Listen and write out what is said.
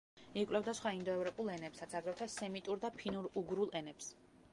იკვლევდა სხვა ინდოევროპულ ენებსაც, აგრეთვე სემიტურ და ფინურ-უგრულ ენებს.